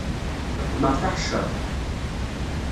Leqqmeɣ taḥeccaḍt.